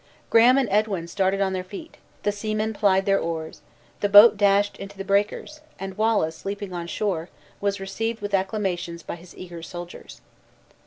Graham and Edwin started on their feet; the seamen piled their oars; the boat dashed into the breakers and Wallace, leaping on shore, was received with acclamations by his eager soldiers.